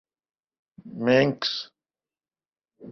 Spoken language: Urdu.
مینکس